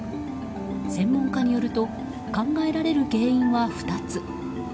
専門家によると考えられる原因は２つ。